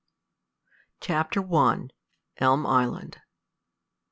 CHAPTER I. ELM ISLAND.